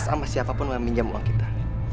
sama siapapun yang minjam uang kita